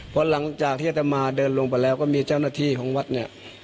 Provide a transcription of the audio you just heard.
พอหลังจากที่อัตมาเดินลงไปแล้วก็มีเจ้าหน้าที่ของวัดเนี่ย